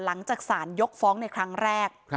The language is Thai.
หลังจากสารยกฟ้องในครั้งแรก